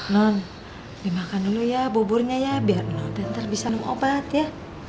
non dimakan dulu ya boburnya ya biar non nanti bisa ngomong obat ya